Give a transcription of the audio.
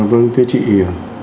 vâng thưa chị